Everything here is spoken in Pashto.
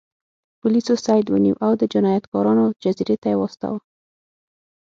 پولیسو سید ونیو او د جنایتکارانو جزیرې ته یې واستاوه.